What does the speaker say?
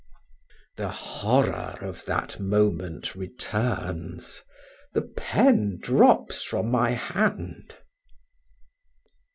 The horror of that moment returns the pen drops from my hand.